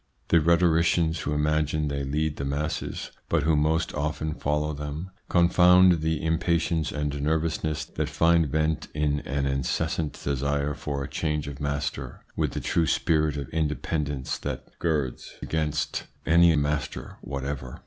The rhetoricians who imagine they lead the masses, but who most often follow them, confound the impatience and nervousness that find vent in an incessant desire for a change of master with the true spirit of independence that girds against any master whatever.